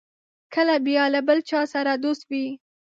کله بیا له بل چا سره دوست وي.